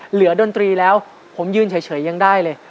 ดนตรีแล้วผมยืนเฉยยังได้เลย